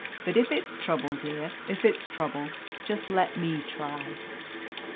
But if it's trouble, dear, if it's trouble just let me try."